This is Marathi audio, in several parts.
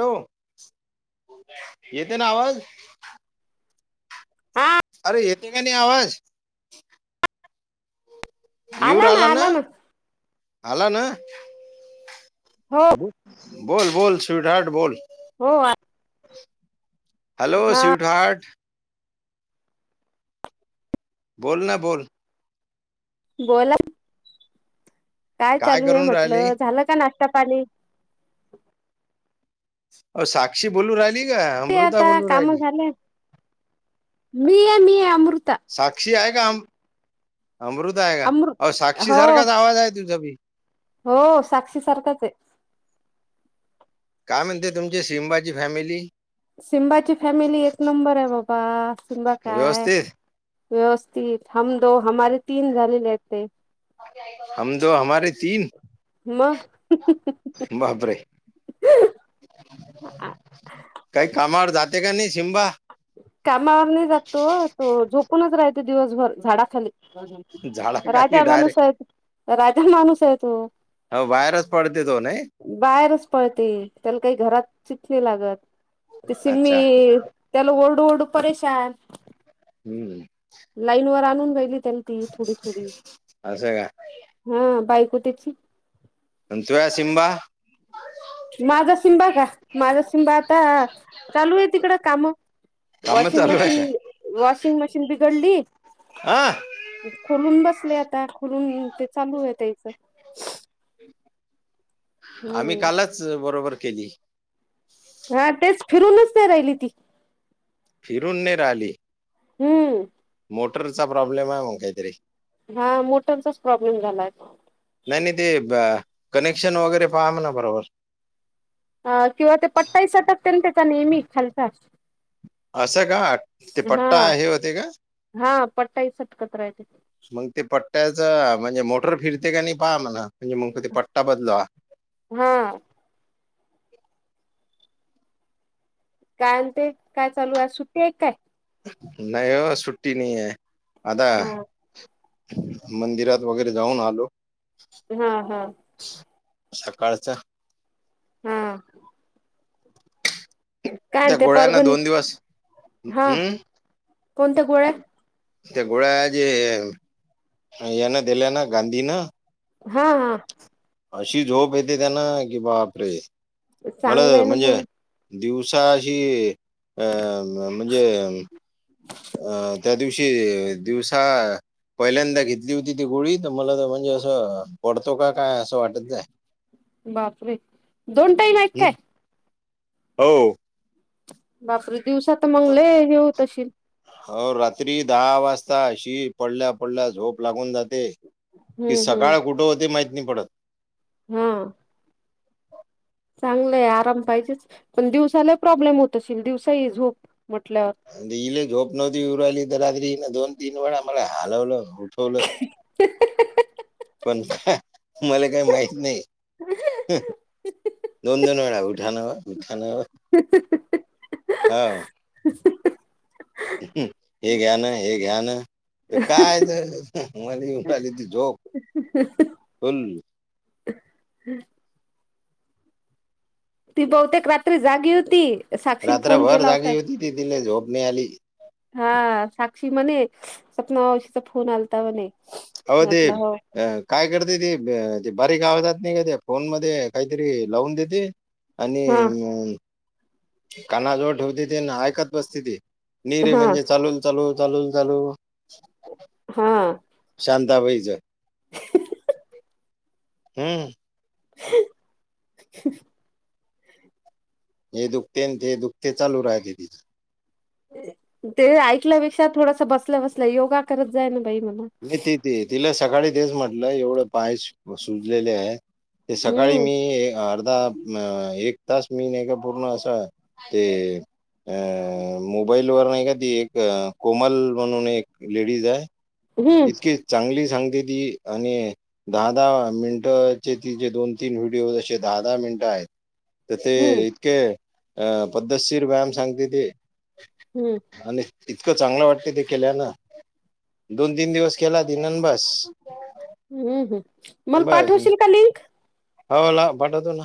हॅलो. येतय ना आवाज? हा अरे येते की नाही आवाज? येऊ रायला ना आला ना? हो. बोल बोल स्वीट हार्ट बोल. हो. हॅलो हा स्वीट हार्ट. बोल ना बोल. बोला. काय चालू आहे करून राहिली म्हटलं, ‌झालं का नाश्ता पाणी? अहो साक्षी बोलू राहिली का, ते अमृता आता बोलू काम राहिली? झाले मी आहे मी आहे अमृता. साक्षी आहे का? अम-अमृता आहे का? अमृ अग साक्षी हो सारखाच आवाज आहे तुझा बी. हो साक्षी सारखाचं आहे. काय म्हणते तुमची शिमबाची फॅमिली. सिमबाची फॅमिली एक नंबर आहे बाबा. सिम्बा काय व्यवस्थित व्यवस्थित हम दो हमारे तीन झालेले आहेत ते. [unintelligible] मग काही कामावर जाते की नाही शिम्बा? कामावर नाही जाततो, तो झोपूनच राहते दिवसभर झाडाखाली. झाडाखाली राजा माणूस डायरेक्ट आहेत, राजा माणूस आहे तो. अहो बाहेरच पडते दोन हे. बाहेरच पळते त्याला काही घरात चेत नाय लागत, तशी अच्छा मी. त्याला ओरडू ओरडू परेशान हम्म लाईन वर आणू राहिली, त्यायले असं का हा बायको त्याची. अन तुझा सिंबा? माझा सिमबा का माझा सिमबा आता चालू आहे तिकडं काम. काम वाॉशिंग चालू मशीन आहे का वाॉशिंग मशीन बिघडली हा. खोलून बसले आता खुोलून ते चालू आहे त्याचं. आम्ही हम्म कालच बरोबर केली. हा तेच फिरूनच नाही राहिली ती. फिरून नाय राहिली. हम्म मोटरचा प्रॉब्लेम आहे मग काहीतरी. हा मोटरचाच प्रॉब्लेम झालाय तो. नाय नाय ते, कनेक्शन वगैरे पहा म्हणाव बरोबर. अ किंवा ते पट्टाई सटकतय ना त्याचा नेहमी खालचा. असं का ते हा पट्टा हे होतंय का? हा पट्टाई सटकत राहते. मग ते पट्ट्याच म्हणजे मोटर फिरते का नाही पहा म्हणा म्हणजे मग ते पट्टा बदलवा. हा काय म्हणते? काय चालू आहे सुट्टी आहे का काय? नाय ओ सुट्टी नाहीये, आता हा मंदिरात वगैरे जाऊन आलो. हा हा सकाळच अन. हा. काय त्या म्हणते गोळ्यानं परभणी दोन दिवस हा हम्म? कोणत्या गोळ्या त्या गोळ्या यानं दिल्या ना गांधींन. हा हा. अशी झोप येते त्यांना की बापरे, मला चांगलं आहे ना म्हणजे. मग दिवसाशी, अ म्हणजे. [inaudible] अं त्या दिवशी दिवसा. पहिल्यांदा घेतली होती ती गोळी तर मला तर म्हणजे असं पडतो का काय असं वाटत जाय. बापरे दोन टाईम हाय काय? हं. हो बापरे दिवसा तर मग लय य ह्या होतं असेल. हो रात्री दहा वाजता अशी, पडल्या पडल्या झोप लागून जाते. कि हम्म हम्म सकाळ कुठं होते माहित नाय पडत. हा चांगलंय आराम पाहिजेच पण दिवसाला प्रॉब्लेम होत असल, दिवसाही झोप म्हटल्यावर अ इल्ले झोप नवती येवून राहिले. तर रात्री इन दोन तीन वेळा मला हालवलं. उठवलं पण मले काही माहित नाही. दोन दोन वेळा उठाणा ओ उठाणा ओ. हहहहहहह हाव. हे घ्या न हे घ्या न तर काय, तर मले येऊन राहील ती झोप. [inaudible] कोण? ती बहुतेक रात्री जागी होती. साक्षी न फोन केला होता. तीले झोप नाही आली. हा साक्षी म्हणे सपना मावशीचा फोन आलता म्हणे. हो व ते. म्हटलं हो काय करते ते ते बारीक आवजात नाही. का ते फोन मध्ये काहीतरी लावून देते. हा आणि, कानाजवळ ठेवते ते ऐकत बसते ती नीरे हा म्हणजे चालू. चालू चालून चालू. हा. शांताबाईचं. हम्म. [unintelligible] हे दुखते आणि ते दुखते चालू रायते तिचं. ते ऐकल्यापेक्षा थोडंसं बसल्या बसल्या योगा करत जाय न बाई म्हणाव. मी तिते तिला सकाळी तेच म्हटलं एवढं पाय सु सुजलेले आहे, ते सकाळी हम्म मी ए अर्धा अ एक तास मी नाही का पूर्ण असं ते. अ मोबाईल वर नाही का ती एक कोमल म्हणून एक लेडीज आहे. हम्म इतकी चांगली सांगते. ती आणि, दहा दहा मिनिट चे तिचेे दोन तीन व्हिडिओ जसेे दहा दहा मिनिट आहेत. तर ते हम्म इतके अ पद्धतशीर व्यायाम सांगते ते. हम्म. आणि इतकं चांगलं वाटते ते केल्या न दोन तीन दिवस केला तीन बसं. हम्म हम. मग पाठवशील का लिंक. हाव लाव पाठवतो ना.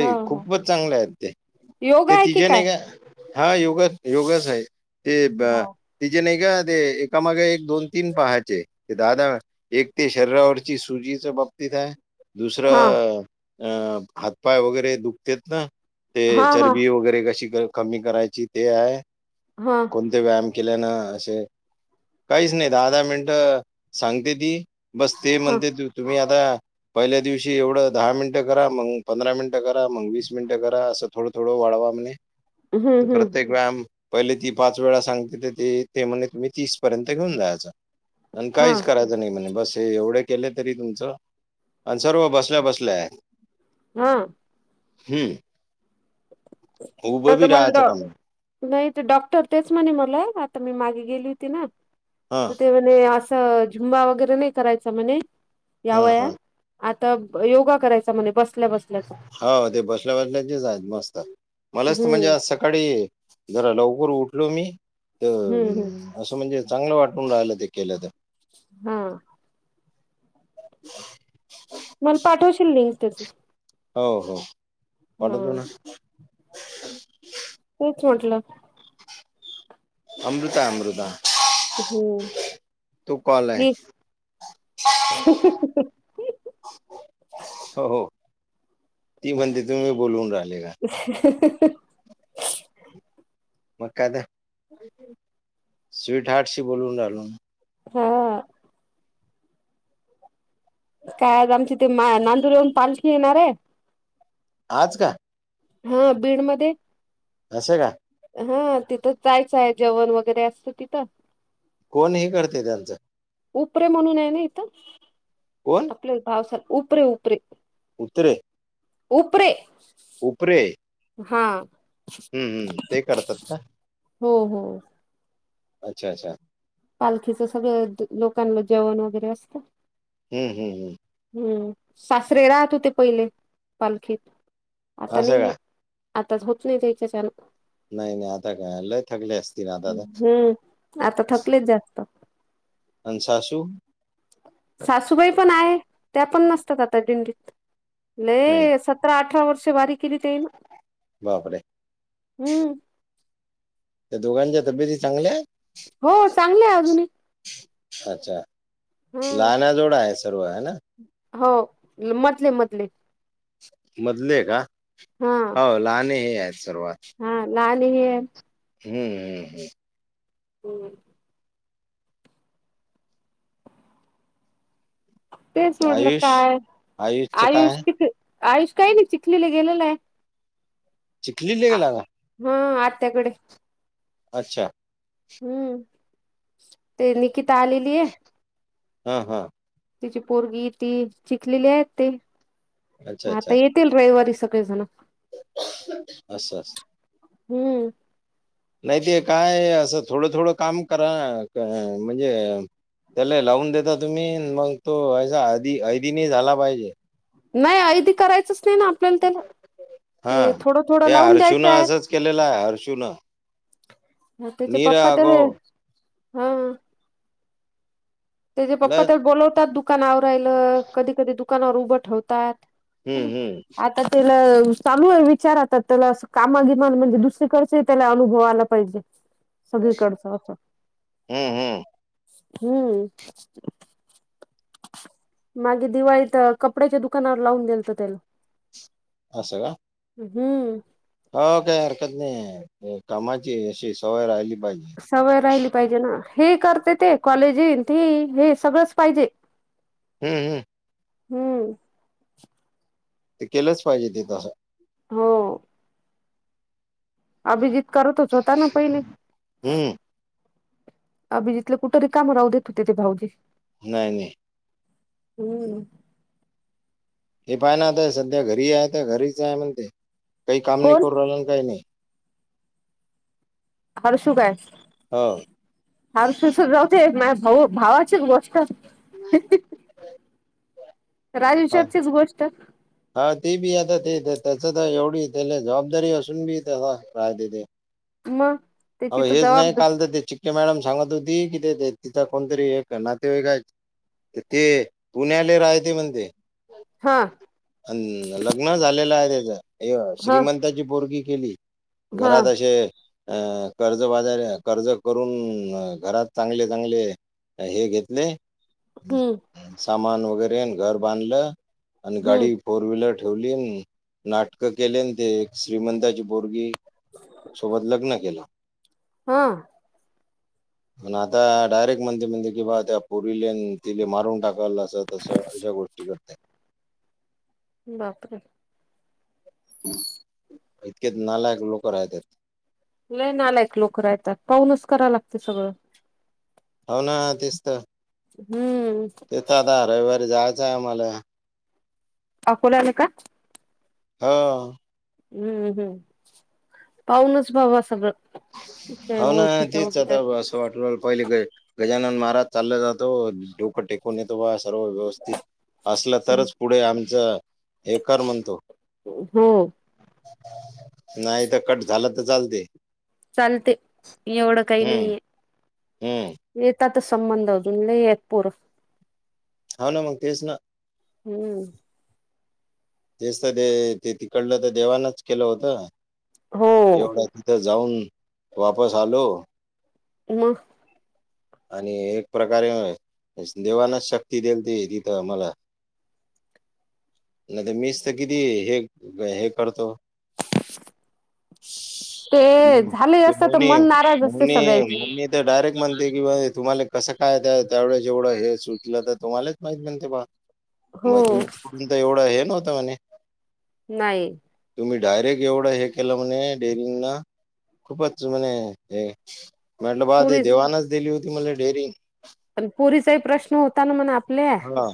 हो हो खूपच चांगले आहेत. योगा ते आहे की तिचे काय नाही का. हा योग योगच आहे. ते हो. तिचे नाही का ते एकामाग एक. दोन तीन पहायचे. ते दहा दहा एक ते शरीरावरची सुजीच बाबतीत हाय. दुसर हा अ हातपाय वगैरे दुखतेत ना. ते हा हा हा चरबी वगैरे कशी कमी करायची ते हाय. हा. कोणते व्यायाम केल्या न असे काहीच नाही दहा दहा मिनटं सांगते ती. बस ते म्हणते तुम्ही आता पहिल्या दिवशी एवढं दहा मिनटं करा मगं. पंधरा मिनिटं करा मग, वीस मिनिटं करा असं थोडं थोडं वाढवा म्हणे हम्म तर हम्म प्रत्येक व्यायाम. पहिले ती पाच वेळा सांगते ते ते म्हणे तुम्ही तीस पर्यंत घेऊन जायचं. आण हा काहीच करायचं नाही म्हणे, बस हे एवढे केले तरी तुमचं. आणि सर्व बसल्या बसल्या ये. ह. हम. आता मला डाॅ नाही. तर डॉक्टर तेच म्हणे मला आता मी मागे गेली होती ना. हा तर ते म्हणे असं झुंबा वगैरे नाही करायचा म्हणे, या हा वयात. हा आता योगा करायचा म्हणे बसल्या बसल्याचा. हा ते बसल्या बसल्याचेच आहेत मस्त, मलास हम्म मज्जा आज सक सकाळी जरा लवकर उठलो मी, हम्म हम्म तर असं म्हणजे चांगलं वाटून राहिलं ते केलं तर. ह. [inaudible] मला पाठवशील लिंक त्याची? हो हो हा पाठवतो ना. तेच म्हंटलं. अमृता हे अमृता. हम्म तो कॉल आहे ही. [inaudible] हो हो ती म्हणते तुम्ही बोलवून राहिले का. [inaudible] मग काय आता स्वीट हार्टशी बोलू राहिलो. हा. काय आज आमची ते मा नांदूर येऊन पालखी येणार ये. आज का. हा बीडमध्ये. असे का? हा तिथे जायचं आहे जेवण वगैरे असतं तिथं. कोण हे करते त्यांचं. उपरे म्हणून आहे ना इथं. कोण. आपले पावसात. उपरे उपरे उतरे. उपरे. उपरे. हा हम्म हम्म ते करतात का? हो हो. अच्छा अच्छा पालखीचं सगळं लोकांना जेवण वगैरे असतं. हम्म हम्म हम्म. हम्म सासरे राहत होती‌ पहिले. पालखीत आता असं नाही ये. का आताच होत नाही त्याच्या छान. नाही नाही आता काय लय थकले असतील आता ना. हम्म आता थकलेत जास्तं. अन सासू. सासूबाई पण आहे, त्या पण नसतात आता दिंडीत नाही लय तर अठरा वर्ष बारी केली तेई बापरे हम्म. त्या दोघांच्या तब्येती चांगल्यायेत? हो चांगले आहे अजूनही. अच्छा हम्म लहानाजोडा आहे सर्व हा ना.. हो मधले मधले. मधले का? हं. हो लहान हे आहेत सर्व. हा लाली मिरण. ह्यां ह्यां ह्यां. हम्. तेच म्हटल आयुष काय? आयुषचं आयुष काय चख आयुष काही नाही. चिखलीला गेलेला आहे. चिखलीला गेला का?. हाम्म आत्याकडे. अच्छा. हम्म ते निकिता आलेली आहे. हा हा. तिची पोरगी ती चीखलीला येतील अच्छा आता अच्छा येतील.. येतील रविवारी सगळे जण. असं असं. हम्म. नाही ते काय असं थोडं थोडं काम करा म्हणजे. त्याला लावून देता तुम्ही मग तो असा आधी अधी नाही झाला पाहिजे. नाही ऐदी करायचंच नाही ना त्याला आपल्याला ते थोडं थोडं लावून द्यायचं. केलेला हारशु न.. त्याचे पप्पा तर हम्म.. त्याचे पप्पा लज तर बोलवतात दुकानावर राहिलं कधी कधी दुकानावर उभं ठेवतात. हम्म हम्म आता ते. चालू आहे विचारातात त्याला कामागिमान म्हणजे दुसरीकडं त्याला अनुभव आला पाहिजे. [inaudible] सगळीकडचं असं हम्म हम्म हम्म. मागे दिवाळीत कपड्याच्या दुकानावर लावून दिलत त्याला. असं का?. हम्म. हो काही हरकत नाये कामाची अशी सवय राहिली पाहि. जे सवय राहिली पाहिजे ना हे करते ते कॉलेज येईन ते हे सगळंच पाहिजे. हम्म हम्. हम्म. ते केलंच पाहिजे ते तसं.. हो. अभिजीित करतच होता ना पहिली.. हम्म. अभिजितला कुठं रिकामी राहुदेत होते ते भाऊजी. नाय नाय. हम्म. हे पाय ना आता सध्या घरी आहे घरीच आहे म्हणते काही काम नाही कोण करू राहिले काही नाही. हरशू काय. हअ. फार सुसत रावते माजे भाऊ भावाचीच गोष्ट. हा राजेशब चीच गोष्ट. हा तेबी आता ते त्याचं तर एवढी त्याला जबाबदारी असून बीत राहते थे. मग अ त्याची तर हेच नाही जबाबदार काल तर त्यांची. मॅडम सांगत होती कि ते तिथं कोणतरी एक नातेवाईक हायत. ते पुण्याले राहते म्हणते. हा अन लग्न झालेलं आहे त्याच एक हा श्रीमंताची पोरगी केली. हा घरात अशे. अ कर्ज बाजारी कर्ज करून घरात चांगले चांगले. हे घेतले. हम्म सामान वगैरे घर बांधलं आणि हम्म गाडी. फोर व्हीलर ठेवलीयंन मी नाटकं केले ते एक श्रीमताची पोरगी सोबत लग्न केलं. हां. [inaudible] पण आता डायरेक्ट म्हणते म्हणते की बा त्या पोरीले ति मारून टाकाल असं तसं अश्या गोष्टी टी करतय. बापरे! इतकेत नालायक लोक राहतात. लय नालायक लोक राहतात. पाहूनच कराव लागते सगळं. होव ना तेच तर. हम्म. तिथं आता रविवारी जायचं आहे आम्हाला. अकोलेला का. हा. हम्म हम्म. पाहूनच बाबा सगळं. इतर ओळखीचा वगैरे. तो वाटल पहिले ग गजानन महाराज चालं जातो डोकं टेक. कुनीत ओ सर्व व्यवस्थित असलं तरच पुढे आमच हे कर म्हणतो. हम्म. नाही त कट झालं तर चालते. चालतंय एवढं काही हम्म नाहीये. हम्म. येेता त संबंध अजून लयेत पोरं. हांव ना मग तेच ना. हम्म. तेच त ते तिकडलं तर देवानाच केलं होत हो एवढं. इथं जाऊन वापस आलो. मग. आणि एक प्रकारे देवानाच शक्ती देल ती तिथं आ मला. नाय मीच तर किती हे हे करतो. झाले ते असत तर मोनी मन नाराज असते मोनी सगळ्याचे मम्मी. ते डायरेक्ट म्हण ते किला तुम्हाला कसं काय त्या त्यावेळी जेवढंवेळी हे सुचलं तर तुम्हालाच माहितेम्हणते बा. हो म तु तुम तर एवढं हे नव्हतं म्हणे. नाही. तुम्ही डायरेक्ट एवढं हे केलं म्हणे डेरिंगना खूपच म्हणे. हे म्हटलं बा त पुरीच देवाणच दिली होती मला डेअरीग. पण पोरीचाही प्रश्न होता ना मण आपले. हा.